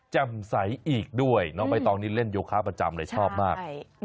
จำใส่อีกด้วยน่ะไม่ตอนนี้เล่นโยคะประจำเลยชอบมาก